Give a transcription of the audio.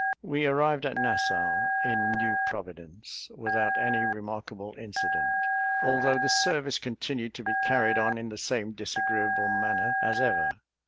We arrived at Nassau, in New Providence, without any remarkable incident, although the service continued to be carried on in the same disagreeable manner as ever.